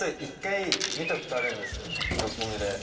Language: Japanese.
六本木で。